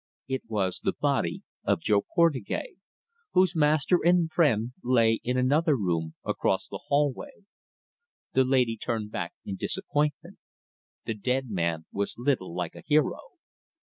It was the body of Jo Portugais, whose master and friend lay in another room across the hallway. The lady turned back in disappointment the dead man was little like a hero.